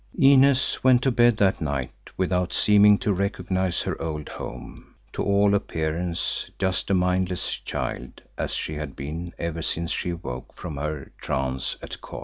Inez went to bed that night without seeming to recognise her old home, to all appearance just a mindless child as she had been ever since she awoke from her trance at Kôr.